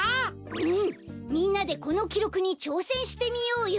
うんみんなでこのきろくにちょうせんしてみようよ。